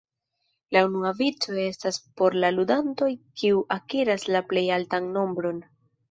La unua vico estas por la ludanto kiu akiras la plej altan nombron.